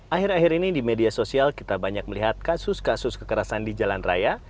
akhir akhir ini di media sosial kita banyak melihat kasus kasus kekerasan di jalan raya